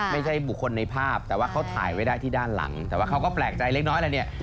ไม่ใช่บุคคลในภาพแต่ว่าเขาถ่ายไว้ได้ที่ด้านหลังแต่ว่าเขาก็แปลกใจเล็กน้อยแล้วเนี่ย